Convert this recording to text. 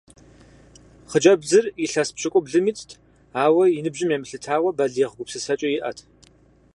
Хъыджэбзыр илъэс пщыкӀублым итт, ауэ, и ныбжьым емылъытауэ, балигъ гупсысэкӀэ иӀэт.